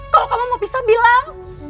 kalau kamu mau bisa bilang